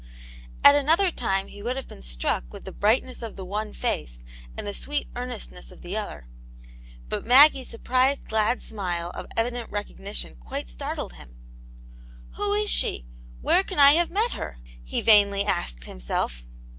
At another time he would have been struck with the brightness of the one face, and the sweet earnest ness of the other, but Maggie's surprised glad smile 0f evident recognition quite startled him. , •'Who is she? Where can I have met her ?" he vainly asked himself.